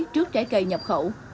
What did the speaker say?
trước trái cây nhập khẩu